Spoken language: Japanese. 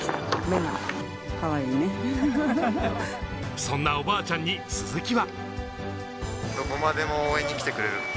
そんなおばあちゃんに鈴木は。